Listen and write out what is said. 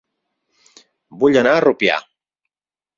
Vull anar a Rupià